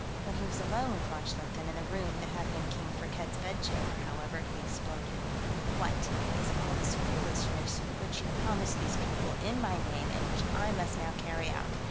When he was alone with von Schlichten, in the room that had been King Firkked's bedchamber, however, he exploded: "What is all this foolishness which you promised these people in my name and which I must now carry out?